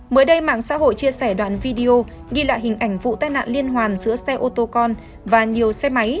mới đây mạng xã hội chia sẻ đoạn video ghi lại hình ảnh vụ tai nạn liên hoàn giữa xe ô tô con và nhiều xe máy